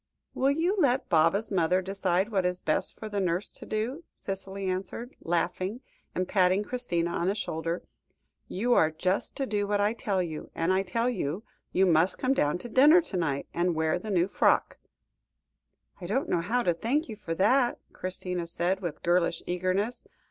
"Will you let Baba's mother decide what is best for the nurse to do?" Cicely answered, laughing, and patting Christina on the shoulder; "you are just to do what I tell you, and I tell you you must come down to dinner to night, and wear the new frock." "I don't know how to thank you for that," Christina said, with girlish eagerness.